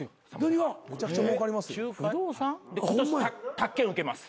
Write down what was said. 宅建受けます。